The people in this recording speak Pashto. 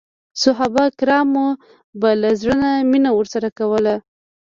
صحابه کرامو به له زړه نه مینه ورسره کوله.